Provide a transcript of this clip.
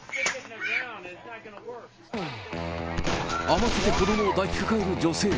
慌てて子どもを抱きかかえる女性。